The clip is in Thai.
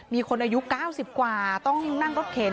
มีคนอายุ๙๐กว่าต้องนั่งรถเข็น